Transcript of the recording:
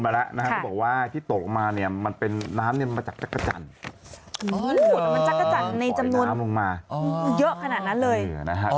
บอกไปต้นศตอร์อยู่พัทหลุงครับ